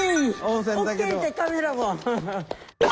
ＯＫってカメラも。